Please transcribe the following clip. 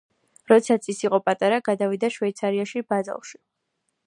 როდესაც ის იყო პატარა, გადავიდა შვეიცარიაში, ბაზელში.